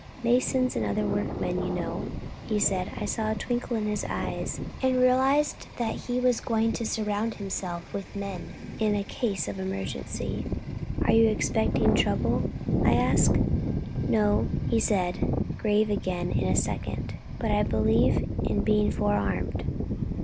"Masons, and other workmen, you know," said he; and I saw a twinkle in his eyes and realized that he was going to surround himself with men, in case of an emergency. "Are you expecting trouble?" I asked. "No," said he, grave again in a second, "but I believe in being forearmed.